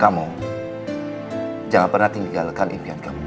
kamu jangan pernah tinggalkan impian kamu